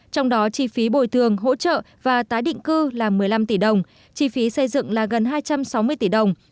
trong đó chi phí bồi thường hỗ trợ và tái định cư là một mươi năm tỷ đồng chi phí xây dựng là gần hai trăm sáu mươi tỷ đồng